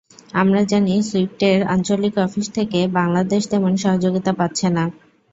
আমরা জানি সুইফটের আঞ্চলিক অফিস থেকে বাংলাদেশ তেমন সহযোগিতা পাচ্ছে না।